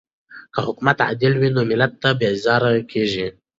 که حکومت عادل وي نو ملت نه بیزاره کیږي.